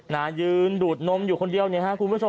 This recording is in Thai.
ยืนดูดนมอยู่คนเดียวเนี่ยฮะคุณผู้ชม